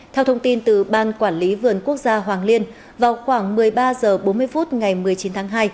theo thông tin từ ban quản lý vườn quốc gia hoàng liên vào khoảng một mươi ba h bốn mươi phút ngày một mươi chín tháng hai